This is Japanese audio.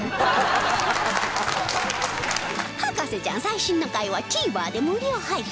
『博士ちゃん』最新の回は ＴＶｅｒ で無料配信